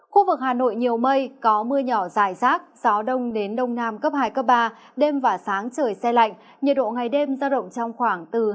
khu vực hà nội nhiều mây có mưa nhỏ dài rác gió đông đến đông nam cấp hai ba đêm và sáng trời xe lạnh nhiệt độ ngày đêm ra động trong khoảng từ hai mươi một hai mươi tám độ